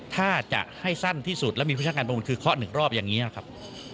ถ้าจะให้สั้นที่สุดแล้วมีผู้จัดการประมูลคือเคาะหนึ่งรอบอย่างนี้ครับ